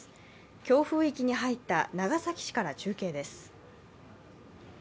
強風域に入った長崎市から中継です。